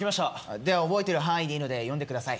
では覚えてる範囲でいいので読んでください。